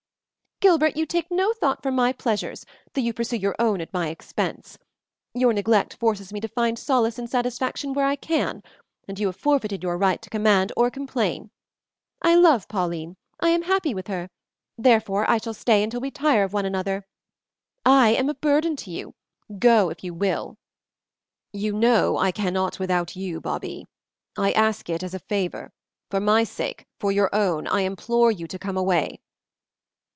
"Gilbert, you take no thought for my pleasures though you pursue your own at my expense. Your neglect forces me to find solace and satisfaction where I can, and you have forfeited your right to command or complain. I love Pauline, I am happy with her, therefore I shall stay until we tire of one another. I am a burden to you; go if you will." "You know I cannot without you, Babie. I ask it as a favor. For my sake, for your own, I implore you to come away."